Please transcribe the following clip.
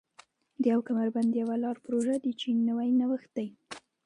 د یو کمربند یوه لار پروژه د چین نوی نوښت دی.